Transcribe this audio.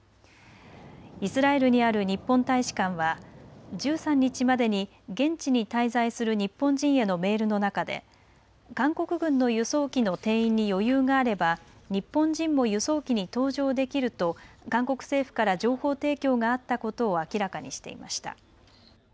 イスラエルにある日本大使館は１３日までに現地に滞在する日本人へのメールの中で韓国軍の輸送機の定員に余裕があれば日本人も輸送機に搭乗できると韓国政府から情報提供があったことを明らかにしていました。